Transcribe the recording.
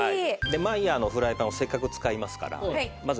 マイヤーのフライパンをせっかく使いますから。